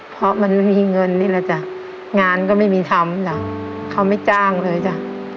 เพราะมันไม่มีเงินนี่แหละจ้ะงานก็ไม่มีทำจ้ะเขาไม่จ้างเลยจ้ะ